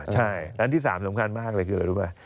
ใช่อันที่สามสำคัญมากเลยคือดูไหม